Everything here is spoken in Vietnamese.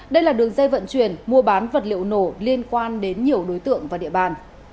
đây là đường dây vận chuyển mua bán vật liệu nổ liên quan đến nhiều đối tượng và địa bàn